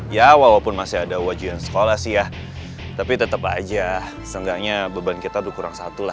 ya walaupun masih ada wajian sekolah sih ya tapi tetep aja setidaknya beban kita tuh kurang satu lah